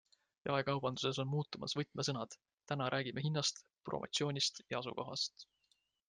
Jaekaubanduses on muutumas võtmesõnad - täna räägime hinnast, promotsioonist ja asukohast.